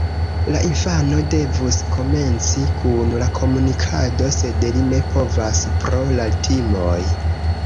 La infano devus komenci kun la komunikado, sed li ne povas pro la timoj.